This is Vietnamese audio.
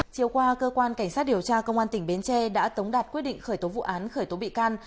chiều qua cơ quan cảnh sát điều tra công an tỉnh bến tre đã tống đạt quyết định khởi tố vụ án khởi tố bị can